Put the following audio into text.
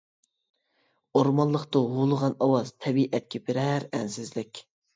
ئورمانلىقتا ھۇۋلىغان ئاۋاز، تەبىئەتكە بىرەر ئەنسىزلىك.